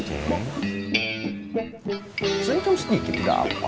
senyum sedikit sudah apa